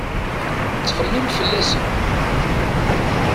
Ttxemmim fell-asen.